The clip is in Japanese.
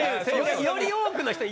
より多くの人に！